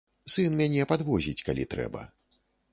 Сын мяне падвозіць, калі трэба.